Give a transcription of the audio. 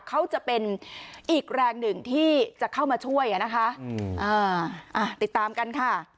เขาจะเป็นอีกแรงหนึ่งที่จะเข้ามาช่วยอ่ะนะคะติดตามกันค่ะ